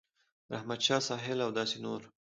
رحمت شاه ساحل او داسې نور